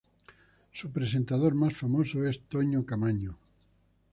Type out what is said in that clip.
Su presentador más famoso es Toño Camaño.